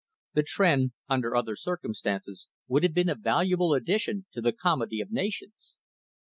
The Tr'en, under other circumstances, would have been a valuable addition to the Comity of Nations.